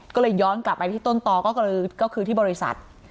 ก็เลยย้อนกลับไปที่ต้นตอก็คือที่บริษัท